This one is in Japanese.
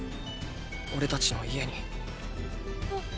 オレたちの家に。